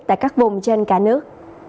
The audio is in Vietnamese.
tại các vùng trên cả nước